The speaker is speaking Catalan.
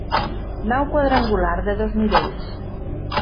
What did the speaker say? Nau quadrangular de dos nivells.